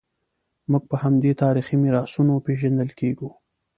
موږ په همدې تاریخي میراثونو پېژندل کېږو.